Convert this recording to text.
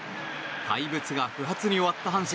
怪物が不発に終わった阪神。